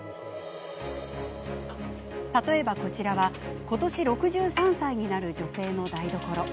例えば、こちらは今年６３歳になる女性の台所。